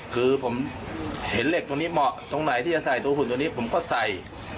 คือผมเห็นเหล็กตัวนี้เหมาะตรงไหนที่จะใส่ตัวหุ่นตัวนี้ผมก็ใส่